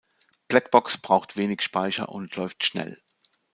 Blackbox braucht wenig Speicher und läuft schnell.